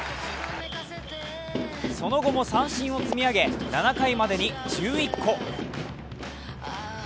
その後も三振を積み上げ、７回までに１１個。